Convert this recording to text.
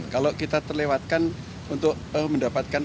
kalau kita terlewatkan untuk mendapatkan